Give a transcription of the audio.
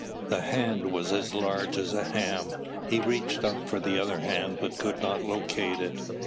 The hand was as large as a ham. He reached for the other hand but could not locate it.